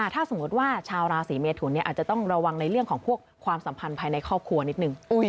ถ้าสมมติว่าชาวราศีเมทุนอาจจะต้องระวังในเรื่องของพวกความสัมพันธ์ภายในครอบครัวนิดนึง